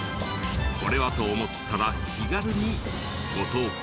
これはと思ったら気軽にご投稿